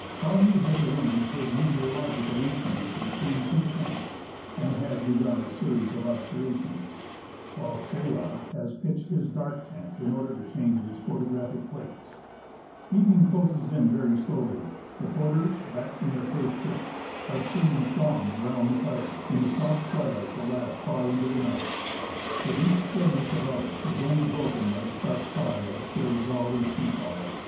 Cagni has arranged his meteorological instruments between two tents, and has begun a series of observations, while Sella has pitched his dark tent in order to change his photographic plates. Evening closes 70 THE MALASPINA GLACIER in very slowly. The porters, back from their first trip, are singing songs round the fire, in the soft twilight that lasts far into the nio ht. The deep stillness about us is only broken by the sharp cry of a stray gull or seafowl.